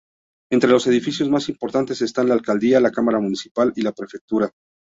Entre los edificios más importantes están: la Alcaldía, la Cámara Municipal y la prefectura.